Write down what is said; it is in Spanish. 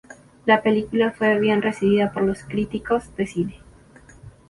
La película fue bien recibida por los críticos de cine.